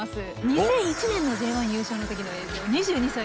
２００１年のＪ１優勝の時の映像２２歳です当時。